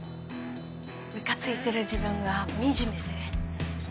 ムカついてる自分が惨めで。